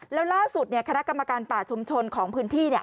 แล้วล่าสุดเนี่ยคณะกรรมการป่าชุมชนของพื้นที่เนี่ย